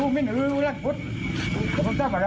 เพื่อเร้งไทย